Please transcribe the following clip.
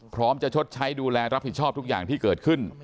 พร้อมจะชดใช้ดูแลรับผิดชอบทุกอย่างที่เกิดขึ้น